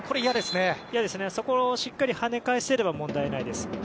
嫌ですが、そこをしっかりはね返せれば問題ないです。